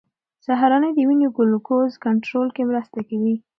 سهارنۍ د وینې ګلوکوز کنټرول کې مرسته کوي.